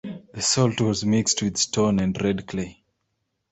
The salt was mixed with stone and red clay.